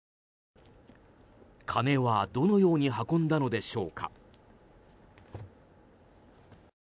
金はどのように運んだのでしょうか。